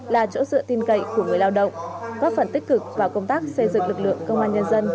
là chỗ dựa tin cậy của người lao động góp phần tích cực vào công tác xây dựng lực lượng công an nhân dân